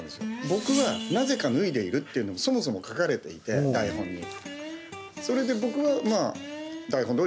僕はなぜか脱いでるっていうのがそもそも書かれていて台本に。